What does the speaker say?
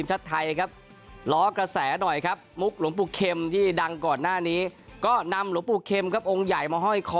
หลวงปุกเข็มที่ดังก่อนหน้านี้ก็นำหลวงปุกเข็มกับองค์ใหญ่มาห้อยคอ